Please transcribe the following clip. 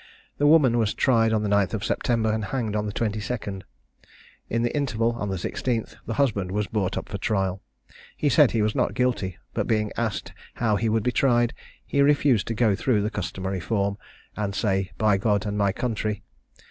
The woman was tried on the 9th of September, and hanged on the 22nd. In the interval, on the 16th, the husband was brought up for trial. He said he was not guilty; but being asked how he would be tried, he refused to go through the customary form, and say, "By God, and my country."